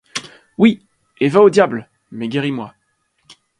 Oui! et va au diable, mais guéris-moi.